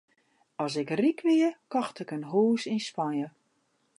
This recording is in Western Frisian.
As ik ryk wie, kocht ik in hûs yn Spanje.